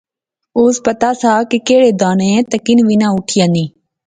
اس پتا سا کہ کیدے داندے کن وی اینا اٹھی